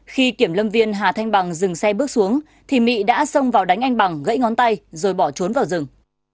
khi kiểm lâm viên hà thanh bằng dừng xe bước xuống thì mị đã xông vào đánh anh bằng gãy ngón tay rồi bỏ trốn vào rừng